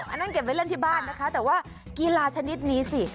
อันนั้นเก็บไว้เล่นที่บ้านนะคะแต่ว่ากีฬาชนิดนี้สิ